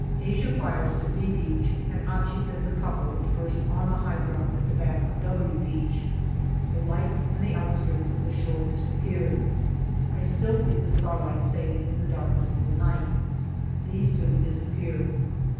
Asia fires to ' V " Beach, and Achi sends a couple which burst on the high ground at the back of " W " Beach. The lights and the outskirts of the shore disappear. I still see the star lights sailing in the darkness of the night. These soon disappear.